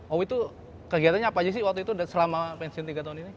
owi itu kegiatannya apa aja sih waktu itu selama pensiun tiga tahun ini